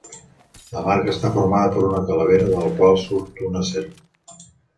La Marca està formada per una calavera del qual surt una serp.